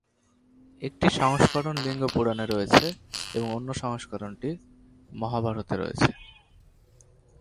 একটি সংস্করণ লিঙ্গ পুরাণে রয়েছে এবং অন্য সংস্করণটি মহাভারতে রয়েছে।